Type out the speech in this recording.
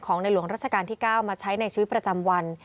ของในหลวงรัชกาลที่เก้ามาใช้ในชีวิตประจำวัน